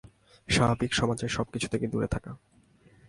স্বাভাবিক সমাজের সবকিছু থেকে দূরে থাকা।